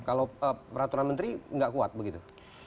kalau peraturan menteri nggak kuat begitu